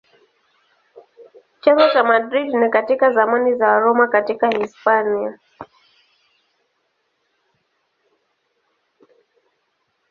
Chanzo cha Madrid ni katika zamani za Waroma katika Hispania.